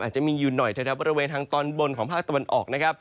อาจจะมีอยู่หน่อยเท่าแบบบริเวณทางตอนบนของภาคตะวันออก